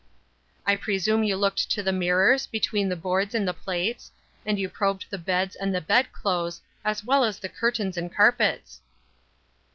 "I presume you looked to the mirrors, between the boards and the plates, and you probed the beds and the bed clothes, as well as the curtains and carpets."